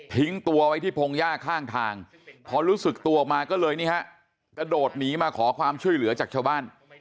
ตัวไว้ที่พงหญ้าข้างทางพอรู้สึกตัวออกมาก็เลยนี่ฮะกระโดดหนีมาขอความช่วยเหลือจากชาวบ้าน